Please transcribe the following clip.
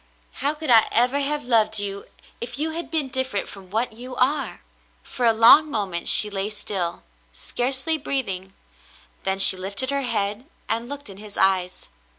How could I ever have loved you, if you had been different from what you are ?" For a long moment she lay still — scarcely breathing — then she lifted her head and looked in his eyes.